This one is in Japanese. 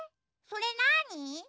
それなに？